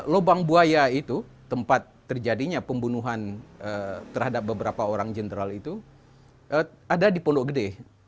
lubang buaya itu tempat terjadinya pembunuhan terhadap beberapa orang jenderal itu ada di pondok gede